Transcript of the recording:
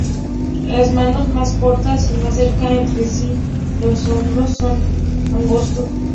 Las manos más cortas, y más cerca entre sí, los hombros son más angostos.